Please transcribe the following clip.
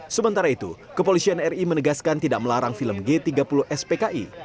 sementara itu kepolisian ri menegaskan tidak melarang film g tiga puluh spki